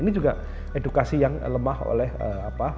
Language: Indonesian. ini juga edukasi yang lemah oleh apa